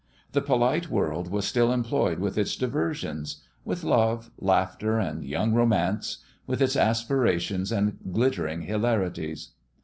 The polite world was still employed with its diversions with love, laughter and young romance with its aspira tions and glittering hilarities.